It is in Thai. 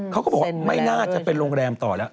เขาก็บอกว่าไม่น่าจะเป็นโรงแรมต่อแล้ว